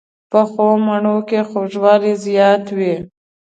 پخو مڼو کې خوږوالی زیات وي